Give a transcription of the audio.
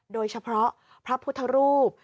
โดยเฉพาะพระพุทธรูป